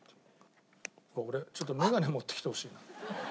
俺ちょっと眼鏡持ってきてほしいな。